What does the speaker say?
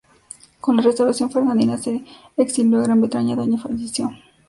Con la restauración fernandina se exilió a Gran Bretaña donde falleció.